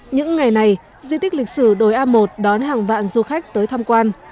những ngày này di tích lịch sử đồi a một đón hàng vạn du khách tới tham quan